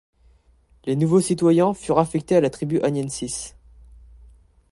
Les nouveaux citoyens furent affectés à la tribu Aniensis.